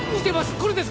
これです